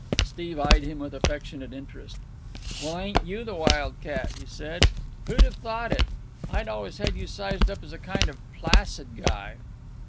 Steve eyed him with affectionate interest. "Well, ain't you the wildcat!" he said. "Who'd have thought it? I'd always had you sized up as a kind o' placid guy."